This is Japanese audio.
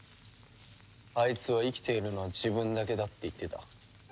あいつは生きているのは自分だけだって言ってた。